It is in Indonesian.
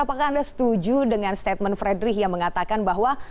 apakah anda setuju dengan statement fredrik yang mengatakan bahwa